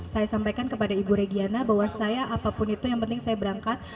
saya sampaikan kepada ibu regiana bahwa saya apapun itu yang penting saya berangkat